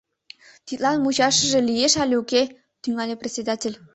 Тидлан мучашыже лиеш але уке? — тӱҥале председатель.